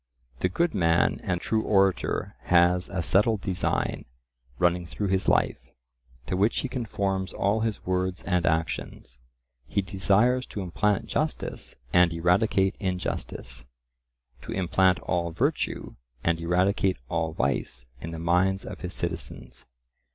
The good man and true orator has a settled design, running through his life, to which he conforms all his words and actions; he desires to implant justice and eradicate injustice, to implant all virtue and eradicate all vice in the minds of his citizens.